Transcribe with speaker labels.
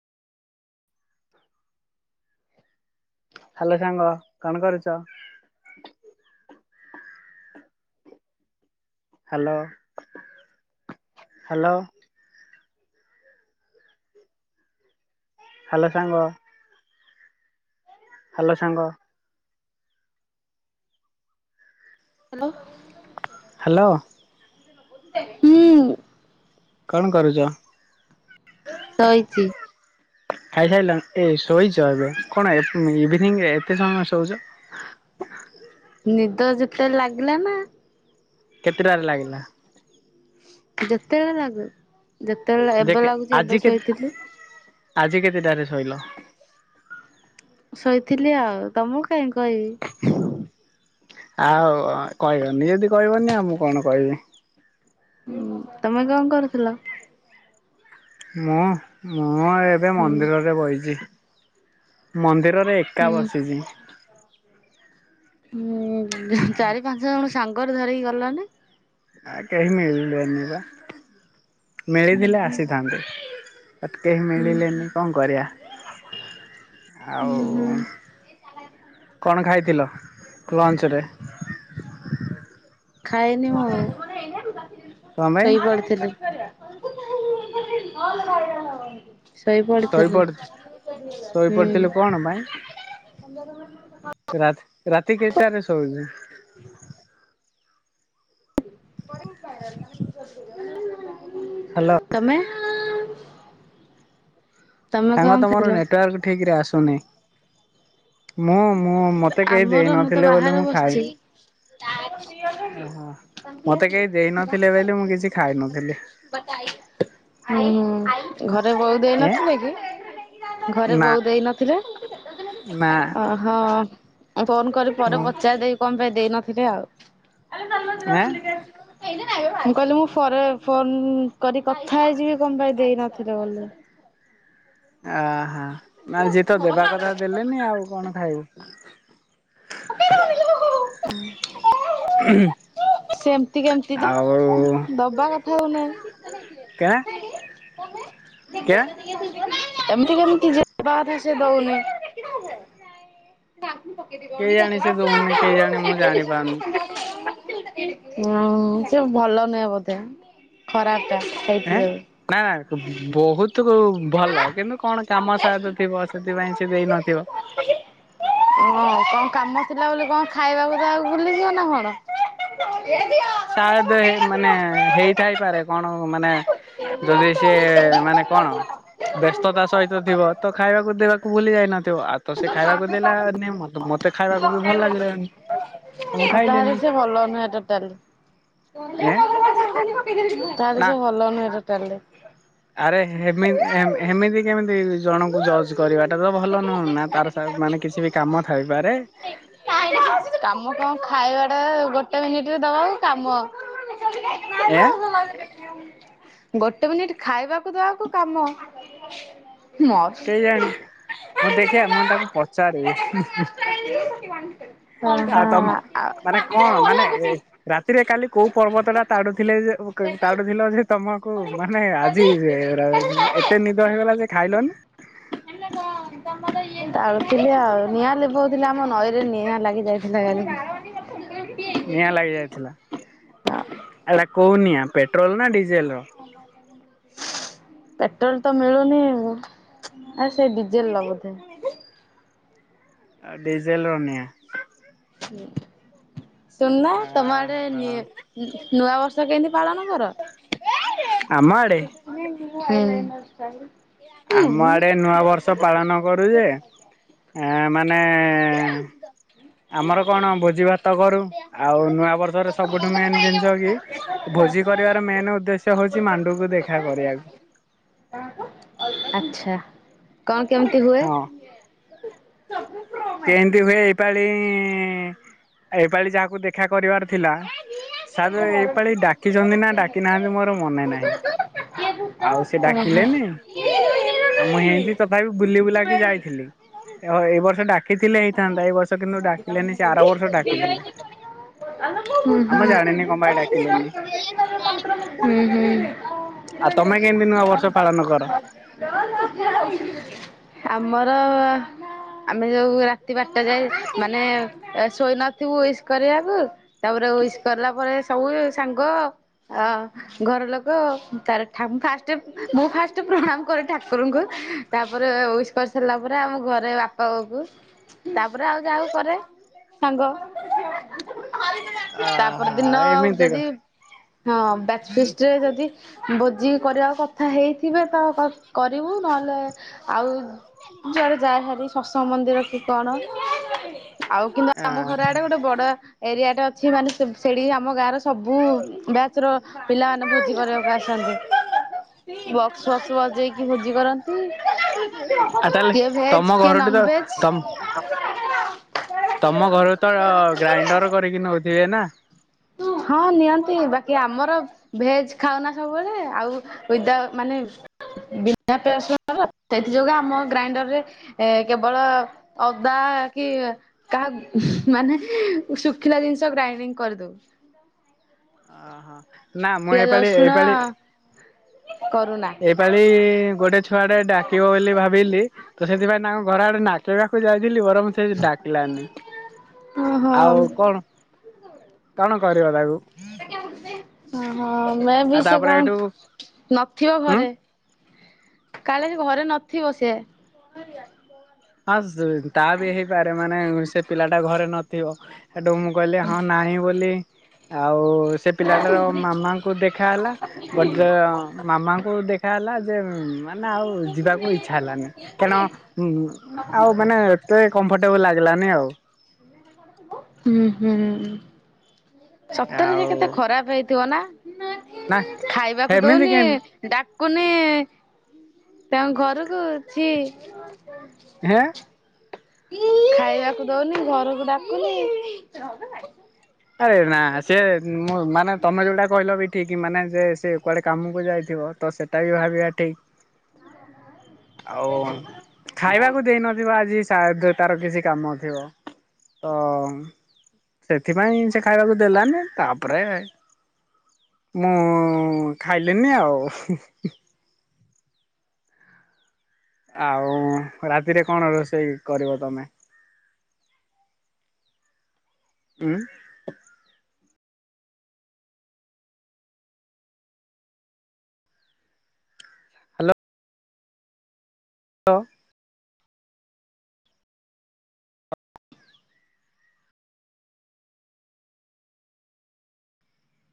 Speaker 1: Hello ସାଙ୍ଗ କଣ କରୁଛ । ହାଲୋ ହାଲୋ ହାଲୋ ସାଙ୍ଗ । ହାଲୋ ସାଙ୍ଗ ।
Speaker 2: ହାଲୋ ।
Speaker 1: ହାଲୋ ।
Speaker 2: ହୁଁ ।
Speaker 1: କଣ କରୁଛ ।
Speaker 2: ଶୋଇଛି ।
Speaker 1: ଖାଇସାଇଲନି ଏ ଶୋଇଛ ଏବେ କଣ ଇଭିନିଂରେ ଏତେ ସମୟ ଶୋଇଛ ।
Speaker 2: ନିଦ ଯେତେ ଲାଗିଲାନା ।
Speaker 1: କେତେଟାରେ ଲାଗିଲା?
Speaker 2: ଯେତେ ବେଳ ଲାଗୁ । ଯେତେବେଳେ
Speaker 1: ଯେ
Speaker 2: ଏବେ ଲାଗୁଛି
Speaker 1: ଆଜି
Speaker 2: ଏବେ
Speaker 1: କେ
Speaker 2: ଶୋଇଥିଲି ।
Speaker 1: ଆଜି କେତେଟାରେ ଶୋଇଲ ।
Speaker 2: ଶୋଇଥିଲି ଆଉ ତମକୁ କାହିଁ କହିବି ।
Speaker 1: ଆଉ କହିବନି ଯଦି କହିବନି ଆଉ ମୁଁ କଣ କହିବି ।
Speaker 2: ତମେ କଣ କରୁଥିଲ ।
Speaker 1: ମୁଁ ମୁଁ । ମୁଁ ଏବେ
Speaker 2: ହୁଁ
Speaker 1: ମନ୍ଦିରରେ ବଇଛି । ମନ୍ଦିର । ଘରେ ଏକା
Speaker 2: ହୁଁ
Speaker 1: ବସିଛି ।
Speaker 2: ହୁଁ ହୁଁ ଚାରି ପାଞ୍ଚ ଜଣକୁ । ସାଙ୍ଗରେ ଧରିକି ଗଲନି ।
Speaker 1: ଆ କେହି ମିଳିଲେନିପା । ମିଳିଥିଲେ ଆସିଥାନ୍ତେ କେହି
Speaker 2: ହୁଁ
Speaker 1: ମିଳିଲେନି କଣ କରିବା? ଆଉ
Speaker 2: ହୁଁ ହୁଁ
Speaker 1: କଣ ଖାଇ କିଲୋ ଲଞ୍ଚ୍ ରେ ।
Speaker 2: ଖାଇନି ମୁଁ
Speaker 1: କଣ ପାଇଁ
Speaker 2: ଶୋଇପଡ଼ିଥିଲି । [unintelligible]
Speaker 1: ଶୋଇପଡ
Speaker 2: ହୁଁ
Speaker 1: ଶୋଇପଡିଥିଲେ କଣ ପାଇଁ ରାତି । ରାତି କେଇଟାରେ ଶୋଇଛୁ ।
Speaker 2: [unintelligible]
Speaker 1: ହାଲୋ ।
Speaker 2: ତମେ ତମେ
Speaker 1: ସାଙ୍ଗ
Speaker 2: କଣ
Speaker 1: ତମର
Speaker 2: ଖାଇଥିଲ
Speaker 1: ନେଟୱାର୍କ ଠିକରେ ଆସୁନି । ମୁଁ ।
Speaker 2: ଆମର ମୁଁ ତ ବାହାରୁ
Speaker 1: ଖାଇ
Speaker 2: ବସିଛି।
Speaker 1: ଓହୋ ମତେ କେହି ଦେଇନଥିଲେ ବୋଲି ମୁଁ କିଛି ଖାଇନଥିଲି
Speaker 2: ହୁଁ ହୁଁ। ଘରେ ବୋଉ
Speaker 1: ଏ
Speaker 2: ଦେଇନଥିଲେ କି। ଘରେ
Speaker 1: ନା
Speaker 2: ବୋଉ ଦେଇନଥିଲେ। ା [inaudible]
Speaker 1: ନା
Speaker 2: ଓହୋ। ମୁଁ ଫୋନ କରି ପରେ
Speaker 1: ହଁ
Speaker 2: ପଚାର ଦେବି। କଣ ପାଇଁ ଦେଇ ନଥିଲେ ଆଉ। ଆରେ ଚାଲୁନ ଯିବା
Speaker 1: ଏଁ
Speaker 2: ବୁଲିକି ଆସିବା। କହିଲି ମୁଁ ପରେ ଫୋନ କରି କଥା ହେଇଯିବି, କଣ ପାଇଁ ଦେଇ ନଥିଲେ ବୋଲି।
Speaker 1: ଓ ହ [inaudible] ନା ଯିଏ ତ ଦେବା କଥା ଦେଲେନି, ଆଉ କଣ ଖାଇବୁ?
Speaker 2: ଣ [inaudible] ସେମତି କେମିତି
Speaker 1: ଆଉ
Speaker 2: ଦବା କଥା ହଉନ
Speaker 1: କେଁ
Speaker 2: [inaudible]
Speaker 1: କେଁ
Speaker 2: ଏମିତି କେମିତି ଯିବାଥା ସେ ଦଉନି [inaudible] କ ତ [inaudible]
Speaker 1: କେଜାଣି ସେ ଦଉନି କେଜାଣି ମୁଁ ଜାଣିପାରୁନି
Speaker 2: ହୁଁ ସେ ଭଲ ନୁହେଁ ବୋଧେ ଖରାପ ଟା। ହେଇଥି
Speaker 1: ଏଁ
Speaker 2: ଯୋଗୁ।
Speaker 1: ନା ନା ବହୁତ ଭଲ କିନ୍ତୁ। କଣ କାମ ସାଏଦ ଥିବ ସେଥିପାଇଁ ସେ ଦେଇନଥିବ।
Speaker 2: ହଁ କଣ କାମ ଥିଲା ବୋଲି କଣ ଖାଇବାକୁ ଦବାକୁ ଭୁଲିଯିବ ନା କଣ?
Speaker 1: ସାଏଦ ମାନେ ହେଇଥାଇପାରେ କଣ ମାନେ ଯଦି ସିଏ ମାନେ କଣ ବ୍ୟସ୍ତତା ସହିତ ଥିବ ତ ଖାଇବାକୁ ଦେବାକୁ ଭୁଲି ଯାଇନ ଥିବ ଆଉ ତ ସେ ଖାଇବାକୁ ଦେଲାନି ମତେ-ମତେ ଖାଇବାକୁ ବି ଭଲ ଲାଗିଲାନି ତ ମୁଁ
Speaker 2: ଆଉ
Speaker 1: ଖାଇଲିନି।
Speaker 2: ସେ ଭଲ [inaudible] ତାହେଲେ
Speaker 1: ଏଁ ନା
Speaker 2: ସେ ଭଲ ନୁହେଁ ଟୋଟାଲି।
Speaker 1: ଆରେ ହେମି [inaudible] ହେମିତି କେମିତି ଜଣଙ୍କୁ ଜଜ୍ କରିବାଟା ତ ଭଲ ନୁହଁ ନା ତାର ମାନେ କିଛି ବି କାମ ଥାଇପାରେ।
Speaker 2: କାମ କଣ ଖାଇବା ଟା ଗୋଟେ ମିନିଟ ରେ ଦବା ଆଉ କାମ।
Speaker 1: ଏଁ
Speaker 2: [inaudible] ଗୋଟେ ମିନିଟ ଖାଇବାକୁ ଦବାକୁ କାମ। ମୋ [inaudible]
Speaker 1: କେଜାଣି ମୁଁ ଦେଖିବା ମୁଁଇଁ ତାକୁ ପଚାରିବି।
Speaker 2: [unintelligible]
Speaker 1: ଆଉ ତମ ମାନେ କଣ ମାନେ
Speaker 2: ଆଉ
Speaker 1: ରାତିରେ କାଲି କୋଉ ପର୍ବତ ଟା ତାଡୁଥିଲେ ଯେ ଓ କଇ ତାଡୁଥୁଲଯେ ତ କୋଉ ମାନେ ଆଜି ଏରା ଏତେ ନିଦ ହେଇଗଲା ଯେ ଖାଇଲନି।
Speaker 2: ତାଡୁଥିଲି ଆଉ ନିଆଁ ଲିଭଉ ଥିଲି ଆମ ନଈରେ ନିଆଁ ଲାଗି ଯାଇଥିଲା କାଲି।
Speaker 1: ନିଆଁ ଲାଗି ଯାଇଥିଲା
Speaker 2: ହଁ
Speaker 1: ଆଉ । କୋଉ ନିଆଁ ପେଟ୍ରୋଲ ନା ଡି ଜେଲ୍ ର
Speaker 2: ପେଟ୍ରୋଲ ତ ମିଳୁନି ଆଉ ସେ ଡିଜେଲ ଲଗଉଥିବେ।
Speaker 1: ଡିଜେଲ ର ନିଆଁ।
Speaker 2: ହୁଁ । ଶୁଣନା ତମ ଆଡେ ନି ନୂଆ ବର୍ଷ କେମିତି ପାଳନ କର?
Speaker 1: ଆମ ଆଡେ
Speaker 2: ହୁଁ ।
Speaker 1: ଆମ ଆଡେ ନୂଆ ବର୍ଷ ପାଳନ କରୁ ଯେ ଏଁ ମାନେ ଆମର କଣ ଭୋଜି ଭାତ କରୁ। ଆଉ ନୂଆ ବର୍ଷର ସବୁଠୁ ମେନ୍ ଦିନଷ କି ଭୋଜି କରିବାର ମେନ୍ ଉଦ୍ଦେଶ୍ୟ ହଉଛି ମାଣ୍ଡୁକୁ ଦେଖା କରିଆକୁ।
Speaker 2: ଆଚ୍ଛା। କଣ କେମତି ହୁଏ? ସ [inaudible]
Speaker 1: କେନ୍ତି ହୁଏ ଏଇପାଳି ଏଇପାଳି ଯାହାକୁ ଦେଖା କରିବାର ଥିଲା ସାର୍ ଏଇ ପାାଳି ଡାକିଛନ୍ତି ନା ଡାକି ନାହାନ୍ତି ମୋର ମନେ ନାହିଁ। ଆଉ ସେ
Speaker 2: ଓହୋ।
Speaker 1: ଡାକିଲେନି ଆ ମୁଁ ହେନ୍ତି ତଥାପି ବୁଲି ବୁଲାକି ଯାଇଥିଲି। ହଁ ଏଇ ବର୍ଷ ଡା
Speaker 2: ହୁଁ
Speaker 1: ଆର ବର୍ଷ ଡାକିଥିଲେ
Speaker 2: ହୁଁ
Speaker 1: ଆଉ ମୁଁ ଜାଣିନି କଣ ପାଇଁ ଡାକିଲେନି
Speaker 2: ହୁଁ ହୁଁ।
Speaker 1: ଆଇ ତମେ କେମତି ନୂଆ ବର୍ଷ ପାଳନ କର?
Speaker 2: ଆମର ଆମେ ଯୋଉ ରା ତି ବାରଟା ଯାଏ ମାନେ ଏ ଶୋଇ ନଥିବୁ ଉଇସ୍ କରିଆକୁ ତାପରେ ଉଇସ୍ କଲା ପରେ ସବୁ ସାଙ୍ଗ ଅ ଘର ଲୋକ ତାରେ ଠା ମୁଁ ଫାଷ୍ଟ ମୁଁ ଫାଷ୍ଟ ପ୍ରଣାମ କରେ ଠାକୁରଙ୍କୁ ତାପରେ ଉଇସ୍ କରି ସାରିଲା ପରେ ଆମ ଘରେ ବାପା ବୋଉକୁ ତାପରେ ଆଉ ଯାହାକୁ କରେ ସାଙ୍ଗ ତାପର
Speaker 1: ଆହା
Speaker 2: ଦିନ ଆଉ
Speaker 1: ଏମିତି
Speaker 2: ଯଦି
Speaker 1: କଥା
Speaker 2: ହଁ ବ୍ୟାଚ୍ ଫିଷ୍ଟରେ ଯଦି ଭୋଜି କରିବାକୁ କଥା ହେଇଥିବେ ତ କ କରିବୁ ନହେଲେ ଆଉ ଯୁଆଡେ ଯାଏ ଭାରି ସବ ମନ୍ଦିର କି କଣ ଆଉ କିନ୍ତୁ ଆମ ଘର
Speaker 1: ଆହା
Speaker 2: ଆଡେ ଗୋଟେ ବଡ ଏରିଆ ଟେ ଅଛି ମାନେ ସେ ସେଠି ଆମ ଗାଁର ସବୁ ବ୍ୟାଚର ପିଲାମାନେ ଭୋଜି କରିଆକୁ ଆସନ୍ତି। ବକ୍ସ ଫକ୍ସ ବଜେଇକି ଭୋଜି କରନ୍ତି
Speaker 1: ଆଉ ତାହେଲେ
Speaker 2: କିଏ
Speaker 1: ତମ
Speaker 2: ଭେଜ କିଏ
Speaker 1: ଘରଠି ତ
Speaker 2: ନନ୍ ଭେଜ
Speaker 1: ତମ ଘରୁ ତ ଗ୍ରାଇଣ୍ଡର କରିକି ନଉଥିବେ ନା!
Speaker 2: ହଁ ନିଅନ୍ତି ବାକି ଆମର ଭେଜ ଖାଉନା ସବୁବେଳେ ଆଉ ୱିଦଆଉ୍ ମାନେ ବିନା ପିଆଜ ରସୁଣ ଖାଉ ସେଥି ଯୋଗୁ ଆମ ଗ୍ରାଇଣ୍ଡରରେ ଏ କେବଳ ଅଦା କି କାହା ମାନେ ଶୁଖିଲା ଜିନିଷ ଗ୍ରାଇଡିଙ୍ଗ କରିଦଉ । [inaudible]
Speaker 1: ଆ ହା। ନା ମୁଁ
Speaker 2: ପିଆଜ
Speaker 1: ଏପାଳି
Speaker 2: ରସୁଣ
Speaker 1: ଏଇପାଳି
Speaker 2: କରୁନା
Speaker 1: ଏଇପାଳି ଗୋଟେ ଛୁଆଟେ ଡାକିବ ବୋଲି ଭାବିଲି ତ ସେଥିପାଇଁ ତାଙ୍କୁ ଘର ଆଡେ ନାକିବାକୁ ଯାଇ ବୁଲିଲି ବରଂ ସେ ଡାକିଲାନି
Speaker 2: ଓହୋ।
Speaker 1: ଆଉ କଣ କଣ କରିବ ତାକୁ
Speaker 2: ହଁ। ହଁ ମେ ବି
Speaker 1: ଆଉ
Speaker 2: ସେ
Speaker 1: ତାପରେ
Speaker 2: କଣ
Speaker 1: ଏଠୁ
Speaker 2: ନଥିବ
Speaker 1: ହୁଁ
Speaker 2: ଘରେ କାଳେ ସେ ଘରେ ନଥିବ ସେ
Speaker 1: ହଁ ତା ବି ହେଇପାରେ ମାନେ ସେ ପିଲା ଟା ଘରେ ନଥିବ। ସେଠୁ ମୁଁ କହିଲି ହଁ ନାହିଁ ବୋଲି। ଆଉ ଆ ସେ ପିଲାଟାର ମାମାଙ୍କୁ ଦେଖା ହେଲା ବଟ୍ ମାମାଙ୍କୁ ଦେ ଦେଖା ହେଲା ଯେ ମାନେ ଆଉ ଯିବାକୁ ଇଚ୍ଛା ହେଲାନି କାରଣ ଆଉ ମାନେ ଏତେ କମ୍ଫର୍ଟେବଲ ଲା ଲାଗିଲାନି ଆଉ।
Speaker 2: ହୁଁ ହୁଁ। ସତରେ ଯେ
Speaker 1: ଆଉ
Speaker 2: କେତେ ଖରାପ ହେଇଥିବ ନା।
Speaker 1: ନା
Speaker 2: ଖାଇବାକୁ
Speaker 1: ହେମିତି
Speaker 2: ଦଉନି
Speaker 1: କେମିତି
Speaker 2: ଡ଼ାକ୍ କୁନି ତାଙ୍କ ଘରକୁ ଛି
Speaker 1: ହେଁ।
Speaker 2: ଖାଇବାକୁ ଦଉନି ଘରକୁ ଡାକୁନି
Speaker 1: ଆରେ ନା ସିଏ ମୁଁ ମାନେ ତମେ ଯୋଉଟା କହିଲ ବି ଠିକ୍। କି ମାନେ ଯେ ସେ କୁଆଡେ କାମକୁ ଯାଇଥିବ ତ ସେ ଟା ବି ଭାବିବା ଠିକ ଆଉ ଖାଇବାକୁ ଦେଇନଥିବା କି ସାୟାଦ ତାର କିଛି କାମ ଥିବ ତ ସେ ଥିପାଇଁ ସେ ଖାଇବାକୁ ଦେଲାନି । ତାପରେ ମୁଁ ଖାଇଲିିନି ଆଉ। ଆଉ ରାତିରେ କଣ ରୋଷେଇ କରିବ ତମେ? ଉଁ? ଓ